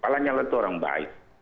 lanya lah itu orang baik